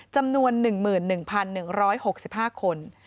จำนวน๑๑๑๖๕คน